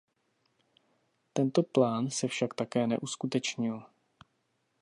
Tento plán se však také neuskutečnil.